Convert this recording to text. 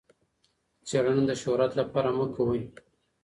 څېړنه د شهرت لپاره مه کوئ.